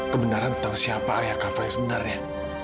kebenaran tentang siapa ayah kava yang sebenarnya